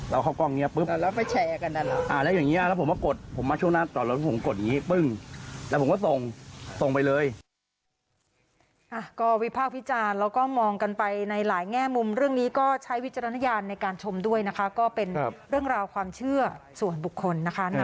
แล้วผมก็ส่งส่งไปเลย